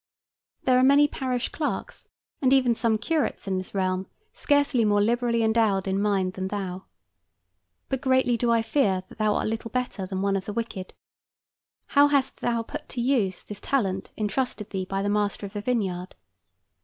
There are many parish clerks, and even some curates in this realm, scarcely more liberally endowed in mind than thou. But greatly do I fear that thou art little better than one of the wicked. How hast thou put to use this talent entrusted thee by the Master of the vineyard?